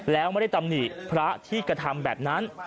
แล้วไม่ได้ตำหนิพระที่กระทำแบบนั้น